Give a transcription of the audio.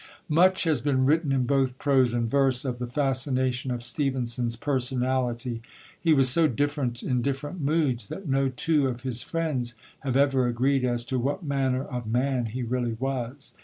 Much has been written in both prose and verse of the fascination of Stevenson's personality. He was so different in different moods that no two of his friends have ever agreed as to what manner of man he really was.